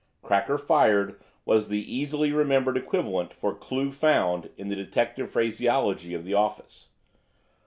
"Cracker fired" was the easily remembered equivalent for "clue found" in the detective phraseology of the office.